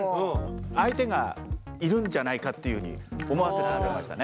相手がいるんじゃないかっていうふうに思わせてくれましたね。